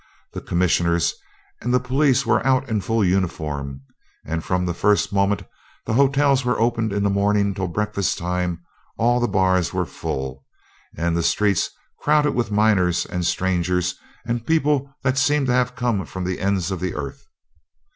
The Commissioner and all the police were out in full uniform, and from the first moment the hotels were opened in the morning till breakfast time all the bars were full, and the streets crowded with miners and strangers and people that seemed to have come from the ends of the earth.